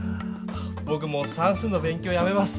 ぼくもう算数の勉強やめます。